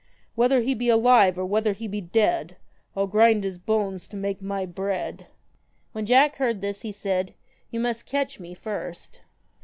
Whether he be alive, or whether he be dead, I '11 grind his bones to make my bread.' When Jack heard this he said :* You must catch me first.'